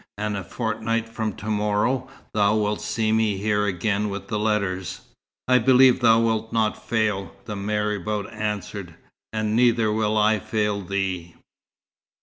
And a fortnight from to morrow thou wilt see me here again with the letters." "I believe thou wilt not fail," the marabout answered. "And neither will I fail thee."